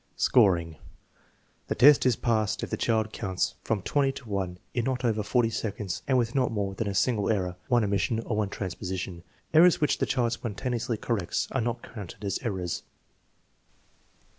Scoring. The test is passed if the child counts from 20 to 1 in not over forty seconds and with not more than a single error (one omission or one transposition). Errors which the child spontaneously corrects are not counted as errors.